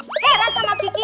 heran sama kiki